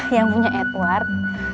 yang punya edward